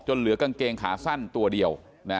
เหลือกางเกงขาสั้นตัวเดียว